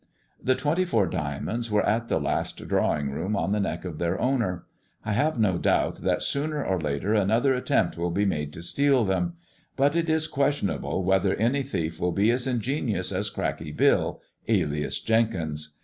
The twenty four diamonds were at the last Drawing room on the neck of their owner. I have no doubt that, sooner or later, another attempt will be made to steal them, I but it is questionable whether any thief will be as ingenious | as Cracky Bill, alias Jenkins.